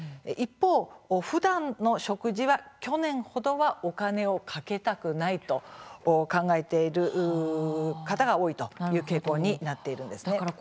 一方ふだんの食事は去年ほどは、お金をかけたくないと考えている方が多い傾向になっています。